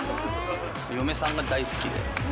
嫁さんが大好きで。